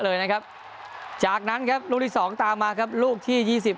เลยนะครับจากนั้นครับลูกที่สองตามมาครับลูกที่ยี่สิบ